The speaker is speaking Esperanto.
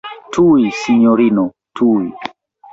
Tuj, sinjorino, tuj.